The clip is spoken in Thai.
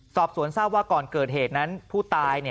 สอบสวนทราบว่าก่อนเกิดเหตุนั้นผู้ตาย